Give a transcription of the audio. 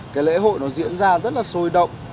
cái lễ hội nó diễn ra rất là sôi động